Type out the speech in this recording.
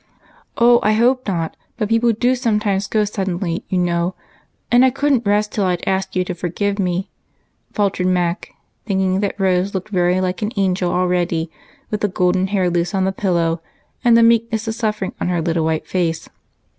Oh, I hope not ; but people do sometimes go suddenly, you know, and I couldn't rest till I'd asked you to forgive me," faltered Mac, thinking that Rose looked very like an angel already, with the golden hair loose on the pillow, and the meek ness of suffering on her little white face.